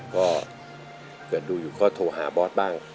ก็เกิดดูอยู่ก็โทรหาบอสบ้าง